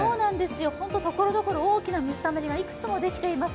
本当にところどころ、大きな水たまりがいくつもできています。